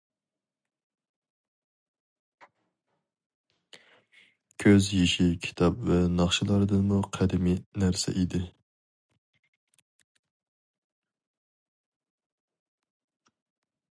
كۆز يېشى كىتاب ۋە ناخشىلاردىنمۇ قەدىمىي نەرسە ئىدى.